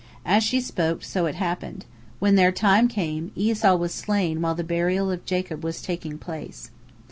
As she spoke, so it happened—when their time came, Esau was slain while the burial of Jacob was taking place.